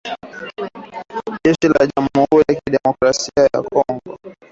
Jeshi la jamuhuri ya kidemokrasia ya kongo limedai kwamba Rwanda inawaunga mkono waasi hao